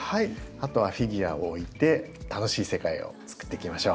あとはフィギュアを置いて楽しい世界を作っていきましょう。